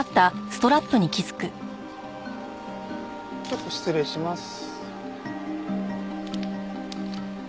ちょっと失礼します。